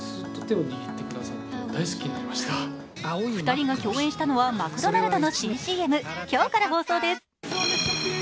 ２人が共演したのはマクドナルドの新ＣＭ今日から放送です。